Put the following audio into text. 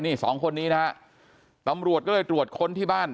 นี่สองคนนี้นะฮะตำรวจก็เลยตรวจค้นที่บ้าน